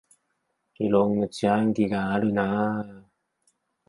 いろんな自販機があるなあ